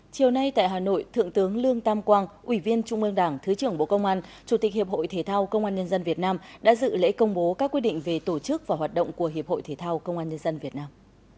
chiều nay tại hà nội thượng tướng lương tam quang ủy viên trung ương đảng thứ trưởng bộ công an chủ tịch hiệp hội thể thao công an nhân dân việt nam đã dự lễ công bố các quyết định về tổ chức và hoạt động của hiệp hội thể thao công an nhân dân việt nam